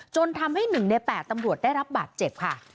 จนทำให้๑ใน๘ตำรวจได้รับบาดเจ็บค่ะ